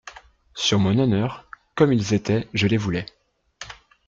Sur mon honneur, comme ils étaient je les voulais.